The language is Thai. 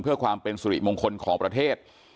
เพื่อความเป็นสุริมงคลของประเทศ